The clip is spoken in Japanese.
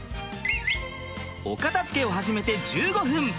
お片づけを始めて１５分。